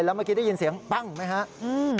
แล้วเมื่อกี้ได้ยินเสียงปั้งไหมครับ